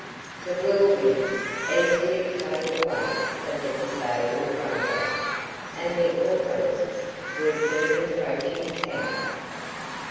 The Whirlwind easily towed the weight of the disabled runabout, and the autoists were soon approaching town.